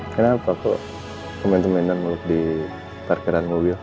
kenapa kok kemen kemenan meluk di parkiran mobil